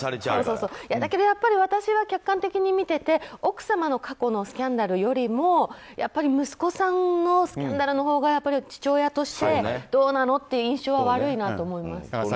だけど、やっぱり私は客観的に見てて奥様の過去のスキャンダルよりも息子さんのスキャンダルのほうが父親としてどうなの？という印象は悪いなと思います。